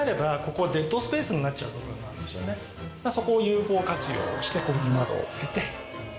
そこを有効活用をしてここに窓を付けて。